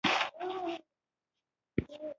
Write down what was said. خو وروسته ژور کېږي او بېلتون پروسه رامنځته کوي.